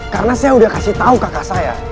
karena saya udah kasih tahu kakak saya